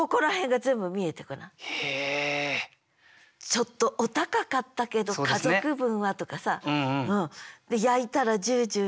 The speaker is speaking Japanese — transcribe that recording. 「ちょっとお高かったけど家族分は」とかさで焼いたらじゅうじゅう。